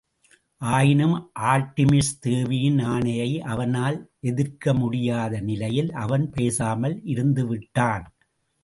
ஆயினும், ஆர்ட்டிமிஸ் தேவியின் ஆணையை அவனால் எதிர்க்க முடியாத நிலையில், அவன் பேசாமல் இருந்துவிட்டான்.